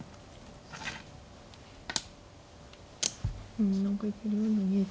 うん何か行けるように見えて。